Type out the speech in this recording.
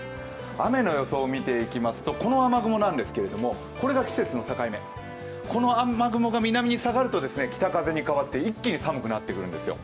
雨の予想を見ていきますとこの雨雲なんですけれども、これが季節の境目、この雨雲が南に下がると北風に変わって一気に寒くなってくるんですよ。